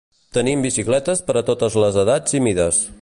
Tenim bicicletes per a totes les edats i mides.